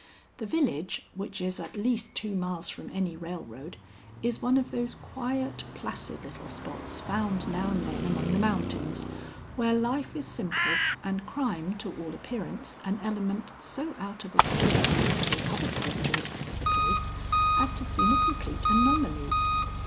The village, which is at least two miles from any railroad, is one of those quiet, placid little spots found now and then among the mountains, where life is simple, and crime, to all appearance, an element so out of accord with every other characteristic of the place as to seem a complete anomaly.